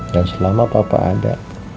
dan selama papa ada